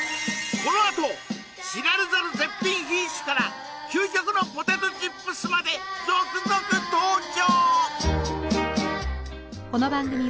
このあと知られざる絶品品種から究極のポテトチップスまで続々登場！